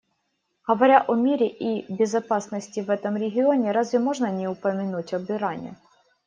Говоря о мире и безопасности в этом регионе, разве можно не упомянуть об Иране?